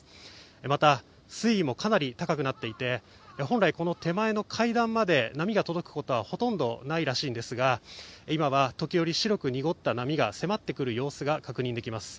また、水位もかなり高くなっていて本来、この手前の階段まで波が届くことはほとんどないらしいんですが、今はときおり、白く濁った波が迫ってくる様子が確認できます。